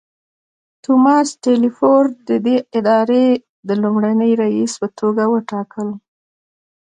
توماس ټیلفورډ ددې ادارې د لومړني رییس په توګه وټاکل.